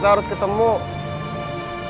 sudah ada ikut campur urusan kita